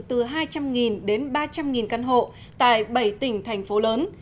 từ hai trăm linh đến ba trăm linh căn hộ tại bảy tỉnh thành phố lớn